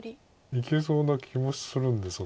いけそうな気もするんですが。